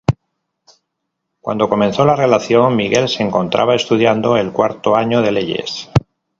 Cuando comenzó la relación, Miguel se encontraba estudiando el cuarto año de Leyes.